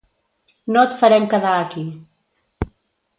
No et farem quedar aquí.